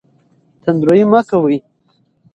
تند رویه مه کوئ.